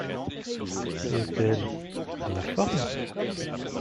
Où est-elle ? dans la forme ?